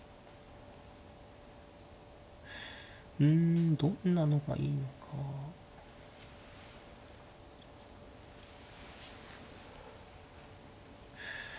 うんどんなのがいいのか。